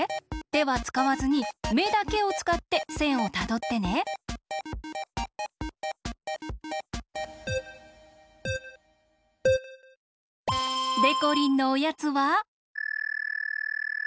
てはつかわずにめだけをつかってせんをたどってね。でこりんのおやつは。